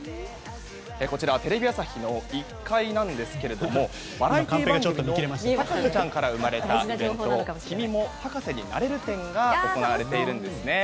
こちらはテレビ朝日１階なんですがバラエティー番組の「博士ちゃん」から生まれたイベント君も博士になれる展が行われているんですね。